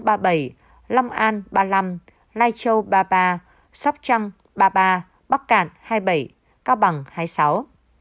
ba địa phương ghi nhận số ca nhiễm giảm nhiều nhất so với ngày trước đó hưng yên giảm ba trăm linh một đắk lắc giảm hai trăm ba mươi hai bến tre giảm một trăm một mươi tám